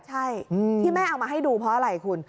ใช่ที่แม่เอามาให้ดูเพราะอะไรคุณ